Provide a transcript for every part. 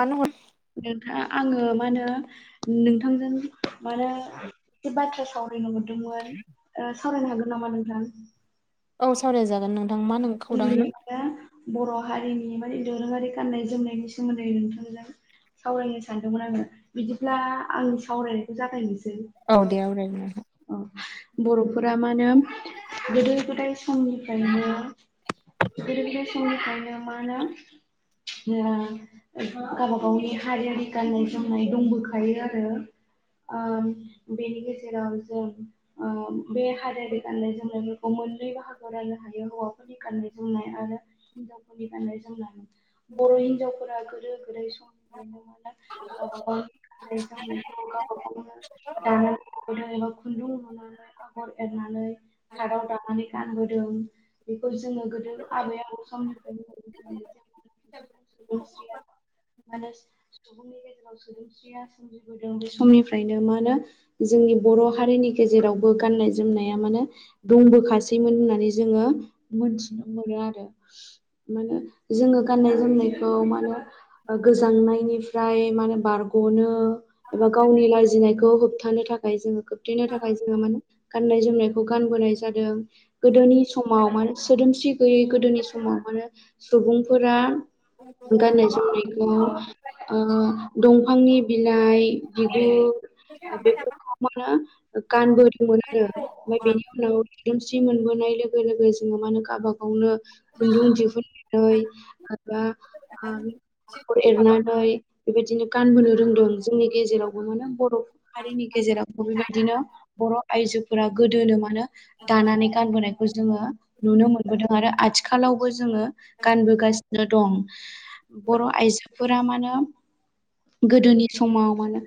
मानो हर नोंथां आङो मा होनो नोंथांजों मानो एसे बाथ्राया सावरायनो हरदोंमोन सावरायनो हागोन नामा नोंथां औ सावराय जागोन नों जोंनि खौरांमोन दा बर' बर' हारिनि माने दोरोङारि गाननाय जोमनायनि सोमोन्दै नोंथांजों सावरायनो सानदोंमोन आङो बिदिब्ला आंनि सावरायनायखौ जागायनोसै औ दे आवरायदो अ बर'फोरा मा होनो गोदो गोदाय समनिफ्रायनो गोदो गोदाय समनिफ्रायनो मा‌ होनो ओ गावबा गावनि हारियारि गाननाय जोमनाय दंबोखायो आरो ओ बेनि गेजेराव जों ओ बे हारियारि गाननाय जोमनायफोरखौ मोननै बाहागो राननो हायो हौवाफोरनि गाननाय जोमनाय आरो हिनजावफोरनि गाननाय जोमनाय बर' हिनजावफोरा गोदो गोदाय हाबाफोराव गाननाय जोमनाय खौ गावबागावनो दा आगर एरनानै थादाव दानानै गानबोदों बेखौ जोङो गोदो आबै आबौ समनिफ्रायनो मोननो हायो क्लिआर नङा सुबुंनि‌ जेराव सोदोमस्रिया सोमजिबोदों समनिफ्रायनो मा होनो जोंनि बर' हारिनि गेजेरावबो गाननाय जोमनाया माने दंबोखासैमोन होननानै जोङो मोनथि आरो माने जोंङो गाननाय जोमनायखौ माने गोजांनायनिफ्राय माने बारग' गनो एबा गावनि लाजिनायखौ होबथानो थाखाय जोंङो खोबथेनो थाखाय जोंङो माने गाननाय जोमनायखौ गानबोनाय जादों गोदोनि समाव माने सोदोमस्रि गैयै गोदोनि समाव मानो सुबुंफोरा [unintelligible] गाननाय जोमनायखौ ओ दंफांनि बिलाइ बिगुर बेफोरखौ माहोनो गानबोदोंमोन आरो ओमफ्राय बेनि उनाव सोदोमस्रि मोनबोनाय लोगो लोगो जोंङो मा होनो गावबा गावनो खुन्दुं दिहुननानै माबा आगर एरनानै बेबायदिनो गानबोनो रोंदों जोंनि गेजेरावबो मोनो बर' हारिनि गेजेरावबो बेबायदि। बिदिनो बर' आयजोफोरा गोदोनो मानो दानानै गानबोनायखौ जोंङो नुनो मोनो आरो आथिखालावबो जोंङो गानबोगासिनो दं बर' आइजोफोरा माहोनो गोदोनि समाव मा होनो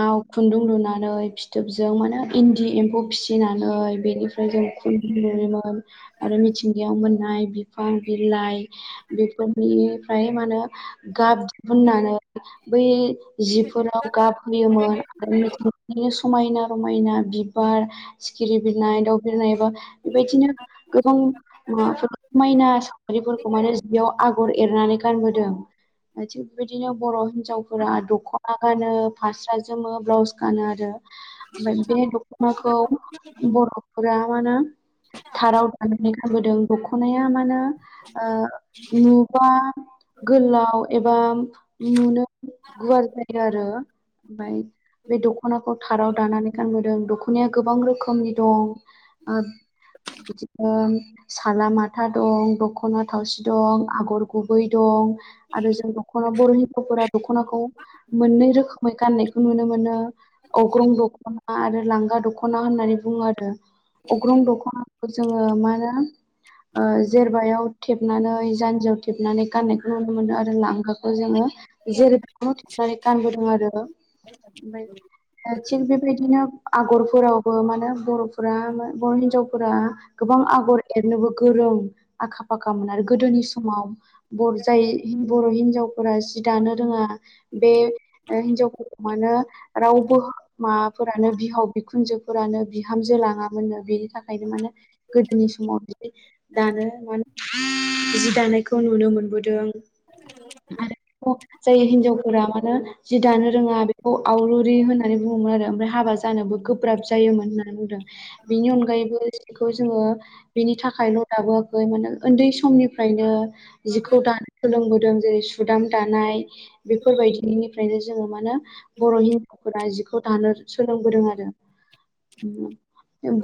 ओ [unintelligible] खुन्दुं लुनानै फिथोबजों माने इन्दि एम्फौ फिसिनानै बेनिफ्राय जों खुन्दुं आरो मिथिंगायाव मोननाय बिफां बिलाइ बेफोरनिफ्राय मा होनो गाब दिहुननानै बै जिफोराव गाब होयोमोन। समायना रमायना बिबार सिखिरि बिरनाय दाउ बिरनाय एबा बि बायदिनो गोबां समायना सावगारिफोरखौ माने जियाव आगर एरनानै थि बेबायदिनो बर' हिनजावफोरा दख'ना गानो फास्रा जोमो ब्लाउस गानो आरो ओमफ्राय बे दख'नाखौ बर'फोरा माहोनो थाराव दाननानै खालामबोदों दख'नाया मानो ओ नुबा गोलाव एबा नुनो गुवार जायो आरो ओमफ्राय बे दख'नाखौ थाराव दानानै गानबोदों दख'नाया गोबां रोखोमनि दं। बिदिनो साला माथा दं दख'ना थावसि दं आगर गुबै दं। आरो जों दख'ना बर' हिनजावफोरा दख'नाखौ मोननै रोखोमै गाननायखौ नुनो मोनो। अग्रं दख'ना आरो लांगा दख'ना होननानै बुङो आरो। अग्रं दखना जोंङो मा होनो जेरबायाव थेबनानै जान्जियाव थेबनानै गाननायखौ नुनो मोनो आरो लांगाखौ जोंङो जेरै बेखौनो थन्नानै गानबोदों आरो ओमफ्राय थिग बेबायदिनो आगरफोरावबो माने बर'फोरा बर' हिनजावफोरा गोबां आगर एरनोबो गोरों आखा फाखा मोन आरो गोदोनि समाव बर जाय बर' हिन्जावफोरा जि दानो रोङा बे हिन्जावफोरखौ मानो रावबो माबाफोरानो बिहाव बिखुनजोफोरानो बिहामजो लाङामोननो बेनि थाखायनो माने गोदोनि समाव जि दानो माने जि दानायखौ नुनो मोनबोदों। दों आरो जाय हिनजावफोरा मानोे जि दानो रोङा बेखौ आवलुरि होननानै बुङोमोन आरो ओमफ्राय हाबा जानोबो गोब्राब जायोमोन होननानै बुंदों बेनि अनगायैबो जिखौ जोंङो बेनि थाखाय दाल' दाबोआखै माहोनो उन्दै समनिफ्रायनो जिखौ दानो सोलोंबोदों। जेरै सुदाम दानाय बेफोरबायदिनिफ्रायनो जोंङो मानो बर' हिनजावफोरा जिखौ दानो सोलोंबोदों आरो।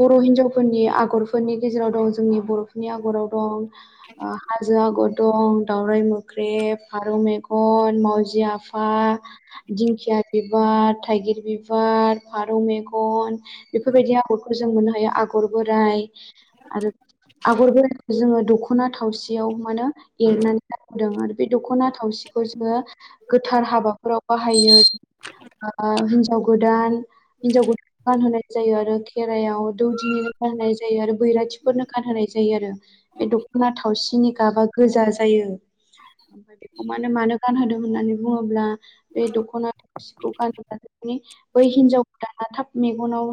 बर' हिनजावफोरनि आगरफोरनि गेजेराव दं जोंनि बर'फोरनि आगराव दं हाजो आगर दं दावराय मोख्रेब फारौ मेगन मावजि आफा दिंखिया बिबार थाइगिर बिबार फारौ मेगन बेफोरबायदि आगरखौ जों मोननो हायो आगर बोराइ आरो आगर बोराइखौ जोंङो दख'ना थावसियाव माहोनो एरनानै गानदों आरो बे दख'ना थावसिखौ जोंङो गोथार हाबाफोराव बाहायो। हिन्जाव गोदान हिन्जाव गोदान गानहोनाय जायो आरो खेराइयाव दौदिनि गानहोनाय जायो आरो बैराथिफोरनो गानहोनाय जायो आरो बे दख'ना थावसिनि गाबा गोजा जायो। [inaudible] ओमफाय बेखौ मानो मानो गानहोदों होननानै बुङोब्ला बे दख'ना थावसिखौ गानोब्ला मानि बै हिनजावफोराना थाब मेगनाव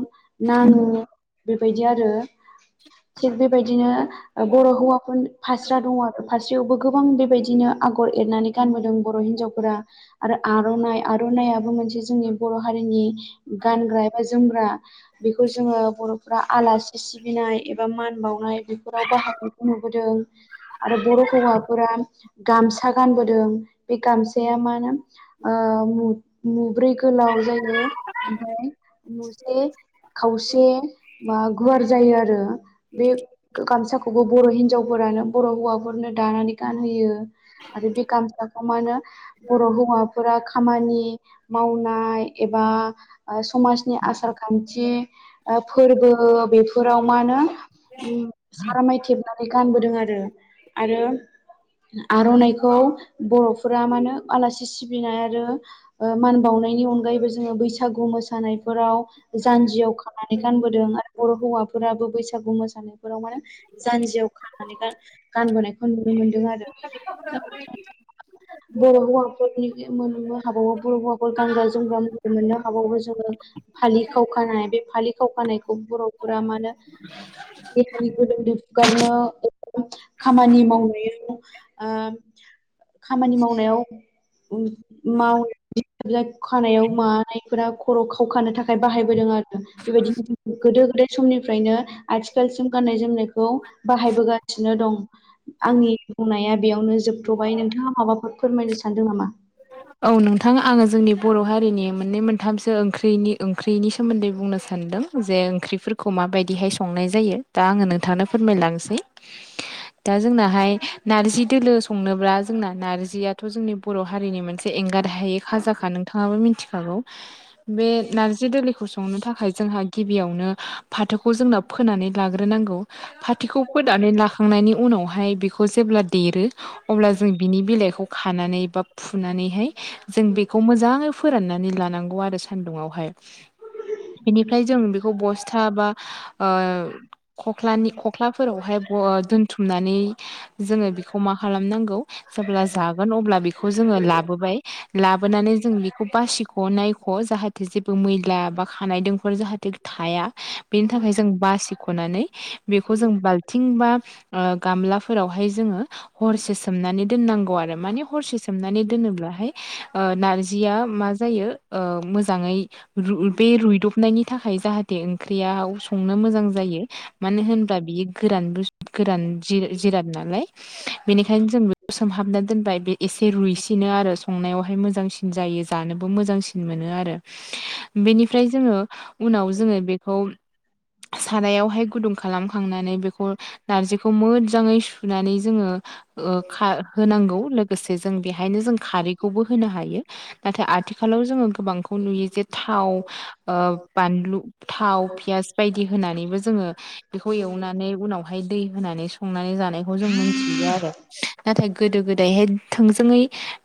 नाङो बेबायदि आरो। थिग बेबायदिनो बर' हौवाफोर फास्रा दङ आरो फास्रायावबो गोबां बे बायदिनो आगर एरनानै गानबोदों बर' हिनजावफोरा आरो आर'नाइ आर'नायाबो मोनसे जोंनि बर' हारिनि गानग्रा एबा जोमग्रा बेखौ जोङो बर'फ्रा आलासि सिबि नाय एबा मान बावनाय बेफोराव बाहायनायखौ नुबोदों आरो बर' हौवाफोरा गामसा गानबोदों बे गामसाया मानो ओ मुब्रै गोलाव जायो ओमफाय मुसे खावसे मा गुवार जायो आरो। बे गामसाखौबो बर' हिनजावफोरानो बर' हौवाफोरनो दानानै गान होयो। आरो बे गामसाखौ मानो बर' हौवाफोरा खामानि मावनाय एबा समाजनि आसार खान्थि आ फोरबो बेफोराव मा होनो सारामाय थेबनानै गानबोदों आरो। आरो आर'नाइखौ बर'फोरा माने आलासि सिबिनाय आरो मान बावनाय नि अनगायैबो जोङो बैसागु मोसानायफोराव जानजियाव खानानै गानबोदों आरो बर' हौवाफोर फोराबो बैसागु मोसानायफोराव मानो जानजियाव खानानै गा-गानबोनायखौ नुनो मोनदों आरो। बर' हौवाफोरनि मोननो हाबावो बर' हौवाफोर गानग्रा जोमग्रा मोननो हाबावो जोङो। फालि खावखानाय बे फालि खावखानायखौ बर'फोरा मानो देहानि गोलोमदै हुगारनो खामानि मावनायाव आ खामानि मावनायाव ओ माव खानायाव मानायफोरा खर' खावखानो थाखाय बाहायबोदों आरो बेबायदिनो गोदो गो दाय समनिफ्रायनो आथिखालसिम गान्नाय जोमनायखौ बाहायबोगासिनो दं। आंनि बुंनाया बेयावनो जोबथ'बाय नोंथाङा माबाफोर फोरमायनो सानदों नामा? औ नोंथां आङो जोंनि बर' हारिनि मोननै मोनथामसो ओंख्रि ओंख्रिनि सोमोन्दै बुंनो सानदों जे ओंख्रिफोरखौ मा माबायदिहाय संनाय जायो दा आङो नोंथांनो फोरमायलांसै। दा जोंनाहाय नारजि दोलो संनोब्ला जोंना नारजियाथ' जोंनि बर' हारिनि मोनसे एंगार हायि खाजाखा नोंथाङाबो मिथिखागौ। बे नारजि दोलोखौ संनो थाखाय जोंहा गिबियावनो फाथोखौ जोंना फोनानै लाग्रोनांगौ फाथोखौ फोनानै लाखांनायनि उनावहाय बेखौ जे ब्ला देरो अब्ला जों बिनि बिलाइखौ खानानै बा फुनानैहाय जों बेखौ मोजाङै फोराननानै लानांगौ आरो सान्दुंङावहाय। बेनिफ्राय जों बेखौ बस्था बा ओ खख्लानि खख्लाफोरावहाय ब दोनथुमनानै जोङो बेखौ मा खालामनांगौ? जेब्ला जागोन अब्ला बेखौ जोङो लाबो बाय लाबोनानै जों बेखौ बासिख' नायख' जाहाथे जेबो मैला बा खानायदोंफोर जाहाथे थाया। बेनि थाखाय जों बासिख'नानै बेखौ जों बाल्थिं बा ओ गामलाफोराव हाय जोङो हरसे सोमनानै दोननांगौ आरो माने हसे सोमनानै दोनोब्ला ओ नारजिया मा जायो ओ मोजाङै बे रुइदबनायनि था खाय जाहाथे ओंख्रिया संनो मोजां जायो मानो होनोबा बियो गोरान बु गोरान जिराद नालाय। बेनिखायनो जों बे सोमहाबना दोनबाय बे एसे रुइसिनो आरो। संनायावहाय मोजांसिन जायो जानोबो मोजांसिन मोनो आरो बेनिफ्राय जोङो उनाव जोङो बेखौ सारायावहाय गुदुं खालामखांनानै बेखौ नारजिखौ मोजाङै सुनानै जोङो ओ खा होनां गौ लोगोसे जों बेहायनो जों खारै खौबो होनो हायो। नाथाय आथिखालाव जोङो गोबांखौ नुयो जे थाव ओ बान लु थाव पियास बायदि होनानैबो जोङो बेखौ एवनानै उनावहाय दै होनानै संनानै जानायखौ जों मिथियो आरो नाथाय गोदो गोदायहाय थोंजोङै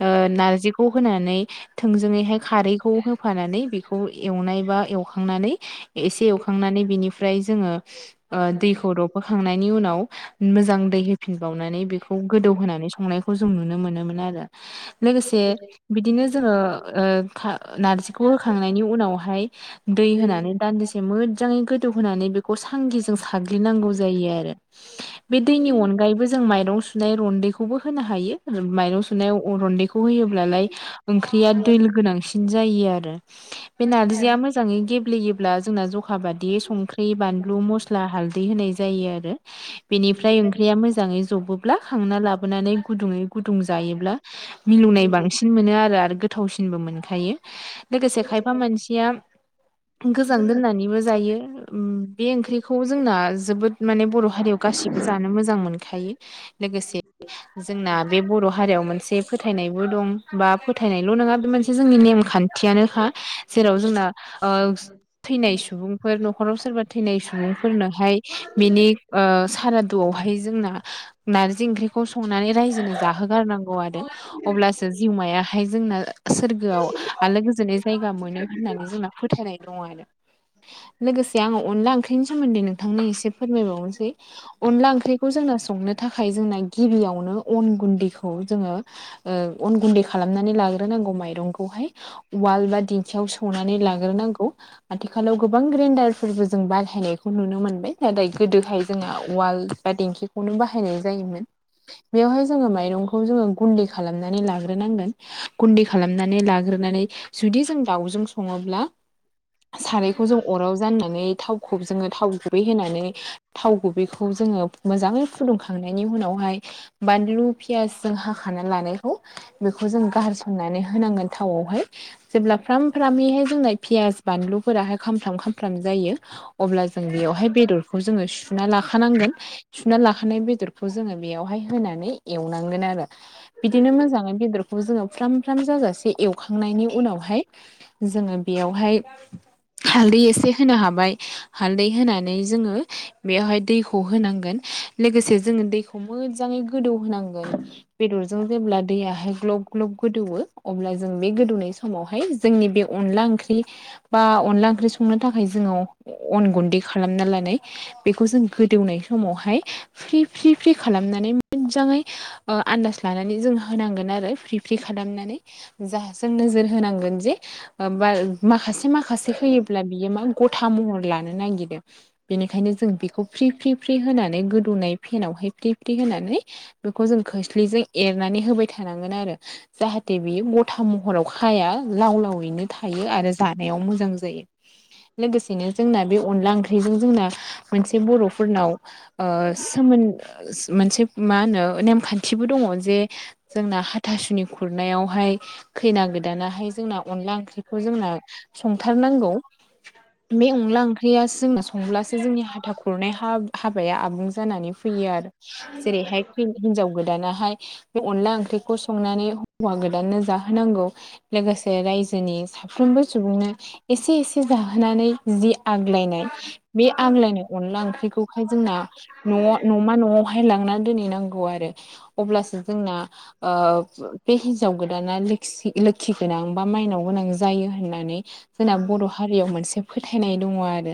ओ नारजिखौ होनानै थोंजोङैहाय खारैखौ होफानानै बेखौ एवनाय बा एवखांनानै एसे एवखांनानै बेनिफ्राय जोङो ओ दैखौ रबहोखांनायनि उनाव मोजां दै होफिनबावनानै बेखौ गोदौ होनानै संनायखौ जों नुनो मोनोमोन आरो लोगोसे बिदिनो जोङो ओ खा नारजिखौ होखांनायनि उनावहाय दै होनानै दान्दिसे मोजाङै गोदौ होनोनानै बेखौ सांगि जों साग्लिनांगौ आरो बे दैनि अनगायैबो जों माइरं सुनाय रन्दैखौबो होनो हायो माइरं सुनायाव अ रन्दैखौ होयोब्लालाय ओंख्रिया दैल गोनांसिन जायो आरो बे नारजिया मोजाङै गेब्लेयोब्ला जोंना जखा बादि संख्रि बानलु मस्ला हालदै होनाय जायो आरो बेनिफ्राय ओंख्रिया मोजाङै जबो ब्ला खांना लाबोनानै गुदुङै गुदुं जायोब्ला मिलौनाय बांसिन मोनो आरो आरो गोथावसिनबो मोनखायो लोगोसे खायफा मानसिया गोजां दोननानैबो जायो बे ओंख्रिखौ जोंना जोबोद माने बर' हारियाव गासिबो जानो मोजां मोनखायो लोगोसे जोंना बे बर' हारियाव मोनसे फोथायनायबो दं बा फोथायनायल' नङा बे मोनसे जोंनि नेम खान्थियानोखा जेराव जोंना ओस थैनाय सुबुंफोर न'खराव सोरबा थैनाय सुबुंफोरनोहाय बिनि ओ सारादुआव बेवहाय जोंना नारजि ओंख्रिखौ संनानै रायजोनो जाहोगारनांगौ आरो अब्लासो जिउमायाहाय जोंना सोरगोआव आलो गोजोनै जायगा मोनो होननानै जोंना फोथायनाय दङ आरो लोगोसे आं अ अनला ओंख्रिनि सोमोन्दै नोंथांनो एसे फोरमायबावनोसै अनला ओंख्रिखौ जोंनो संनो थाखाय जोंना गिबियावनो अन गुन्दैखौ जोङो ओ अन गुन्दै खालामनानै लाग्रोनांगौ माइरंखौहाय उवाल बा दिन्थियाव सौनानै लाग्रोनांगौ आथिखालाव गोबां ग्रेनदार फोरबो जों बाहायनाय खौ नुनो मोनबाय नादाय गोदोहाय जों उवाल वल बा दिखिंखौनो बाहायनाय जायोमोन बेवहाय जों मायरंखौ जों गुन्दै खालामनानै लाग्रोनांगोन गुन्दै खालामनानै लाग्रोनानै जुदि जों दावजों सङो ब्ला सारायखौ जों अराव जाननानै थावखौ जोङो थाव गुबै होननानै थाव गुबै जोङो मोजाङै फुुंदुंखांनायनि उनावहाय बानलु पियास जों हाखानानै लानायखौ बेखौ जों गारसननानै होनांगोन थावआवहाय जेब्ला फ्राम फ्रामैहाय जोंना पियास बानलु फोराहाय खामफ्राम खामफ्राम जायो। अब्ला जों बेयावहाय बेदरखौ जोङो सुना लाखानांगोन सुना लाखानाय बेदरखौ जोङो बेयावहाय होनानै एवनांगोन आरो बिदिनो मोजाङै गिदिर जोङो फ्राम फ्राम जाजासे एवखांनायनि उनावहाय जोङो बेयावहाय हालदै एसे होनो हाबाय हालदै होनानै जोङो बेवहाय दैखौ होनांगोन लोगोसे जोङो दैखौ मोजाङै गोदौहांगोन। फोरजों जेब्ला दैआहाय ग्लब ग्लब गोदौ अब्ला जों बे गोदौनाय समावहाय जोंनि बे अन ला ओंख्रि बा अनला ओं संनो थाखाय जो अन गुन्दै खालाम ला नानै बेखौ जों गोदौनाय समावहाय फ्रि फ्रि फ्रि खालामनानै मोजाङै ओ आन्दाज लानानै जों होनांगोन आरो फ्रि फ्रि खालामनानै जा जों नोजोर होनांगोन जे बा माखासे माखासे होयोब्ला बियो मा गथा महर लानो नागिरो। बेनिखायनो जों बेखौ फ्रि फ्रि फ्रि होनानै गोदौनाय फेनावहाय फ्रि फ्रि होनानै बेखौ जों खोस्लिजों एनानै होबाय थानांगोन आरो जाहाथे बे मथा महराव खाया लाव लावैनो थायो आरो जानायाव मोजां जायो। लोगोसेनो जोंना बे अनला ओंख्रिजों जोंना मोनसे बर'फोरनाव ओ सोम मोनसे मा होनो नेमखान्थिबो दङ जे जोंना हाथासुनि खुरनायावहाय खैना गोदानाहाय जोंना अनला ओंख्रिखौ जोंना संथारनांगौ। बे अनला ओंख्रियासो जोंनो संब्लासो जोंनि हाथा खुरनाय हा हाबाया आ बुं जानानै फैयो आरो जेरैहाय हिजाव गो दानहाय अनला ओंख्रिखौ संनानै हौवा गोदाननो जाहोनांगौ लोगोसे रायजोनि साफ्रोमबो सुबुंनो एसे एसे जाहोनानै जि आग्लायनाय बे आग्लायनाय अनला ओंख्रिखौहाय जोंना न' न'मा न'आव बहाय लांनानै दोनहैनांगौ आरो। अब्लासो जोंना ओ बे हिनजाव गोदाना लोखि गोनां बा मा माइनाव गोनां जायो होननानै जोंना बर' हारियाव मोनसे फोथायनाय दङ आरो।